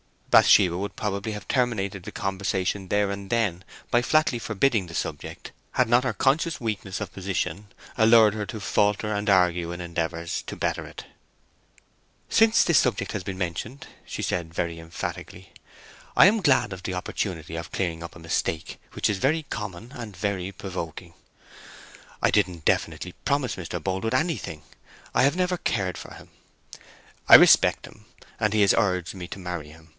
Bathsheba would probably have terminated the conversation there and then by flatly forbidding the subject, had not her conscious weakness of position allured her to palter and argue in endeavours to better it. "Since this subject has been mentioned," she said very emphatically, "I am glad of the opportunity of clearing up a mistake which is very common and very provoking. I didn't definitely promise Mr. Boldwood anything. I have never cared for him. I respect him, and he has urged me to marry him.